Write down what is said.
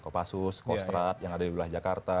kopassus kostrad yang ada di wilayah jakarta